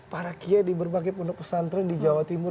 para kiai di berbagai pondok pesantren di jawa timur